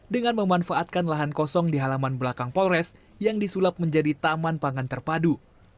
dengan memanfaatkan lahan kosong di halaman belakang polres yang disulap menjadi taman pangan terpadu